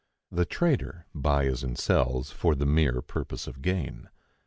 The trader buys and sells for the mere purpose of gain.